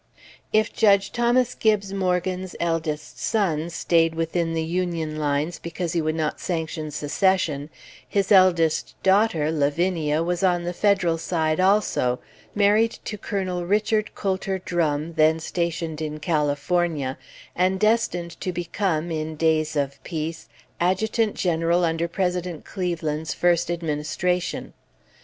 If Judge Thomas Gibbes Morgan's eldest son stayed within the Union lines because he would not sanction Secession, his eldest daughter Lavinia was on the Federal side also, married to Colonel Richard Coulter Drum, then stationed in California, and destined to become, in days of peace, Adjutant General under President Cleveland's first administration.